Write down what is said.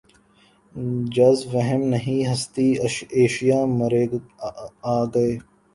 جز وہم نہیں ہستیٔ اشیا مرے آگے